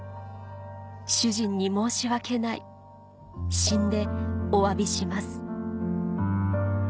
「主人に申し訳ない死んでおわびします」